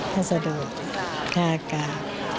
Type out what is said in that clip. ภาษาดุฆ่ากา